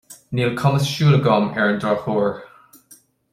Níl cumas siúil agam, ar an drochuair.